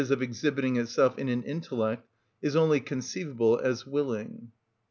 _, of exhibiting itself in an intellect, is only conceivable as willing.